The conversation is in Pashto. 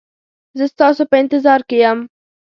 زه ستاسو په انتظار کې یم